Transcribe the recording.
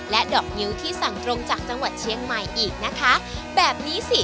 ดอกงิ้วที่สั่งตรงจากจังหวัดเชียงใหม่อีกนะคะแบบนี้สิ